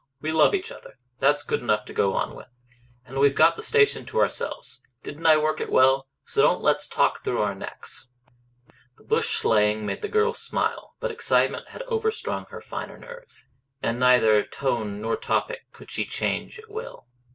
We love each other; that's good enough to go on with. And we've got the station to ourselves; didn't I work it well? So don't let's talk through our necks!" The bush slang made the girl smile, but excitement had overstrung her finer nerves, and neither tone nor topic could she change at will.